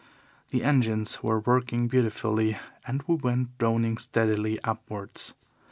The engines were working beautifully, and we went droning steadily upwards.